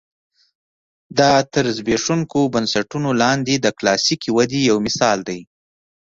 دا تر زبېښونکو بنسټونو لاندې د کلاسیکې ودې یو مثال دی.